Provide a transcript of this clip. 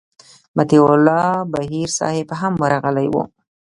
مطیع الله بهیر صاحب هم ورغلی و.